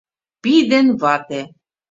Пий ден вате